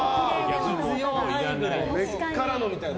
根っからのみたいな。